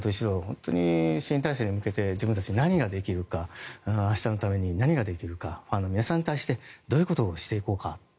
本当に新体制に向けて自分たちに何ができるか明日のために何ができるかファンの皆さんに対してどういうことをしていこうか。